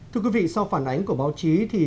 thưa quý vị sau phản ánh của báo chí